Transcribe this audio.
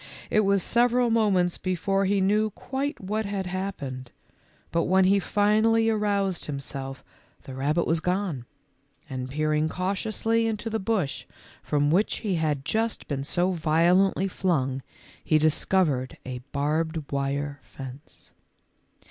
It was several moments before he knew quite what had hap pened, but when he finally aroused himself the rabbit was gone, and peering cautiously into BOB'S REVENGE. 137 the bush from which he had just been so vio lently flung, he discovered a barbed wire fence.